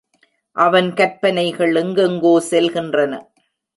அவன் கற்பனைகள் எங்கெங்கோ செல்கின்றன.